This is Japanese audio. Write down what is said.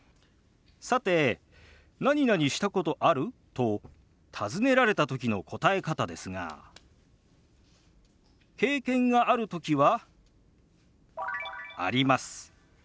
さて「なになにしたことある？」と尋ねられた時の答え方ですが経験がある時は「あります」。